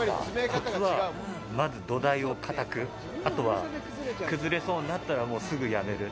こつは、まず土台を堅く、あとは崩れそうになったらもうすぐやめる。